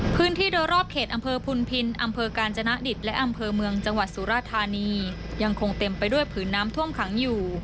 พื้นที่โดยรอบเขตอำเภอพุนพินอำเภอกาญจนดิตและอำเภอเมืองจังหวัดสุราธานียังคงเต็มไปด้วยผืนน้ำท่วมขังอยู่